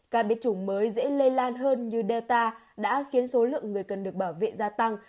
ca biết chủng mới dễ lây lan hơn như delta đã khiến số lượng người cần được bảo vệ gia tăng